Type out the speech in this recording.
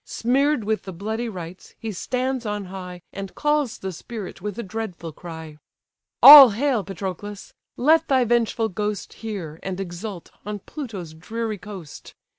Smear'd with the bloody rites, he stands on high, And calls the spirit with a dreadful cry: "All hail, Patroclus! let thy vengeful ghost Hear, and exult, on Pluto's dreary coast.